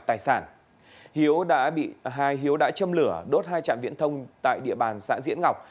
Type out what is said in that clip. tài sản hiếu đã châm lửa đốt hai trạm viễn thông tại địa bàn xã diễn ngọc